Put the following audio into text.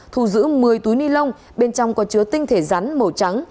thu giữ một mươi túi ni lông bên trong có chứa tinh thể rắn màu trắng